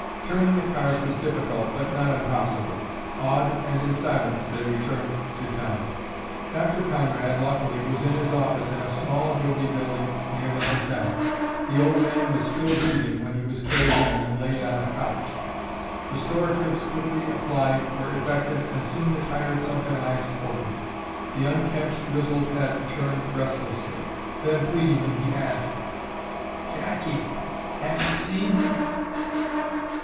Turning the cars was difficult but not impossible. Awed and in silence they returned to town. Dr. Conrad, luckily, was in his office in a small adobe building near the hotel. The old man was still breathing when he was carried in and laid on a couch. Restoratives quickly applied were effective and soon the tired sunken eyes opened. The unkempt grizzled head turned restlessly, then pleadingly he asked, "Jackie, have you seen him?"